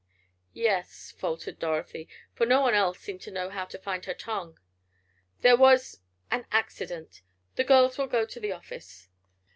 "Yes," faltered Dorothy, for no one else seemed to know how to find her tongue. "There was—an accident. The girls will go to the office."